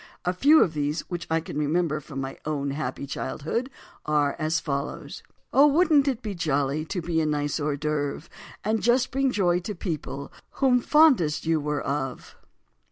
A few of these which I can remember from my own happy childhood are as follows: Oh, wouldn't it be jolly To be a nice hors d'œuvre And just bring joy to people Whom fondest you were of.